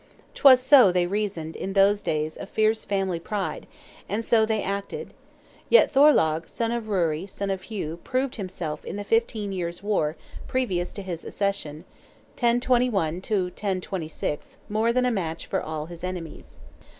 'Twas so they reasoned in those days of fierce family pride, and so they acted. Yet Thorlogh, son of Ruari, son of Hugh, proved himself in the fifteen years' war, previous to his accession (1021 to 1136), more than a match for all his enemies.